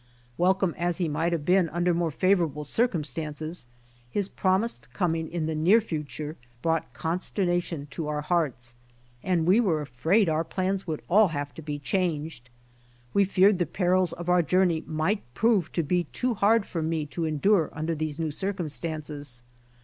Welcome as he might have been under more favorable circumstances, his promised coming in the near future brought con sternation to our hearts, and we were afraid our plans would all have to be changed. We feared the perils of our journey might prove to be too hard for me to endure under these new circumstances.